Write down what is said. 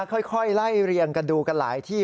ค่อยไล่เรียงกันดูกันหลายที่